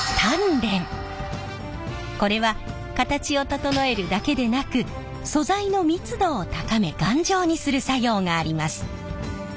これは形を整えるだけでなく素材の密度を高め頑丈にする作用があります。